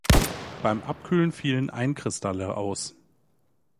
Beim Abkühlen fielen Einkristalle aus.